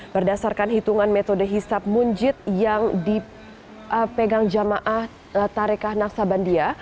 berdasarkan hitungan metode hisap munjid yang dipegang jamaah tarekah naksabandia